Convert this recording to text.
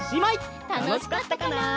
たのしかったかな？